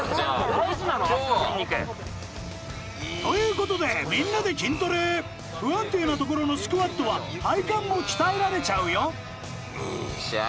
大事なのよ筋肉！ということでみんなで筋トレ不安定な所のスクワットは体幹も鍛えられちゃうよシャ。